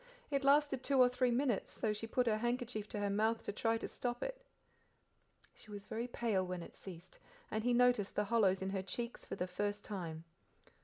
It lasted two or three minutes, though she put her handkerchief to her mouth to try to stop it. She was very pale when it ceased, and he noticed the hollows in her cheeks for the first time.